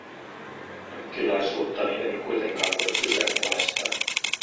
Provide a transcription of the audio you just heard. Arkkilaisuuttani en kuitenkaan voi kyseenalaistaa.